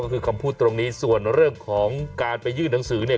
ก็คือคำพูดตรงนี้ส่วนเรื่องของการไปยื่นหนังสือเนี่ย